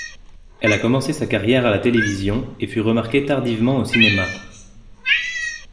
Elle a commencé sa carrière à la télévision et fut remarquée tardivement au cinéma.